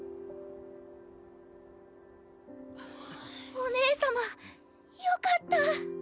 お姉様よかった。